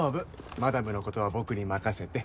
マダムのことは僕に任せて。